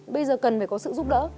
bây giờ cần phải có sự giúp đỡ